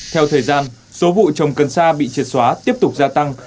theo thời gian số vụ trồng cần sa bị triệt xóa tiếp tục gia tăng